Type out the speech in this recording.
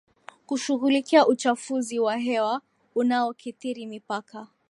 kushughulikia uchafuzi wa hewa unaokithiri mipaka